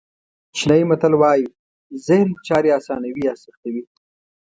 چینایي متل وایي ذهن چارې آسانوي یا سختوي.